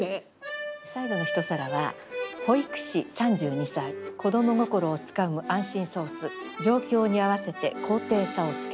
最後の一皿は「保育士３２歳子供心をつかむ安心ソース状況に合わせて高低差をつけて」。